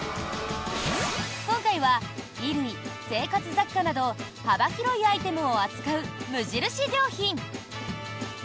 今回は衣類・生活雑貨など幅広いアイテムを扱う無印良品。